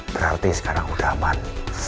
berarti sekarang udah aman